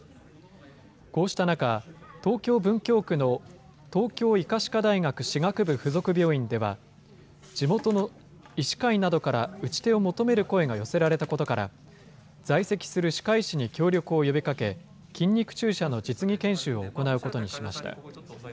こうした中、東京・文京区の東京医科歯科大学歯学部附属病院では、地元の医師会などから打ち手を求める声が寄せられたことから、在籍する歯科医師に協力を呼びかけ、筋肉注射の実技研修を行うことにしました。